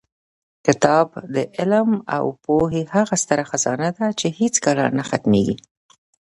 کتاب د علم او پوهې هغه ستره خزانه ده چې هېڅکله نه ختمېږي.